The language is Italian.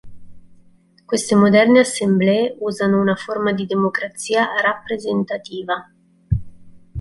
Queste moderne assemblee usano una forma di democrazia rappresentativa.